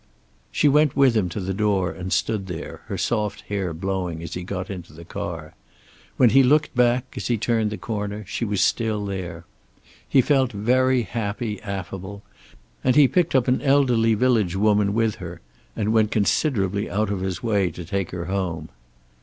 She went with him to the door and stood there, her soft hair blowing, as he got into the car. When he looked back, as he turned the corner, she was still there. He felt very happy affable, and he picked up an elderly village woman with her and went considerably out of his way to take her home.